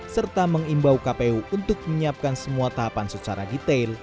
serta mengimbau kpu untuk menyiapkan semua tahapan secara detail